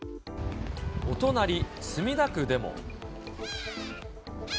お隣、墨田区でも。